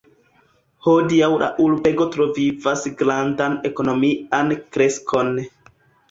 Hodiaŭ la urbego travivas grandan ekonomian kreskon.